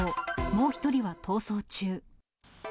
もう１人は逃走中。